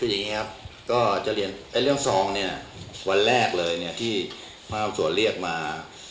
คืออย่างนี้ครับก็จะเรียนเรื่องซองเนี่ยวันแรกเลยเนี่ยที่ภาพส่วนเรียกมา